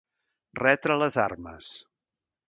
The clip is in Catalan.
Retre les armes.